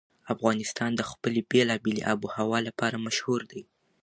افغانستان د خپلې بېلابېلې آب وهوا لپاره مشهور دی.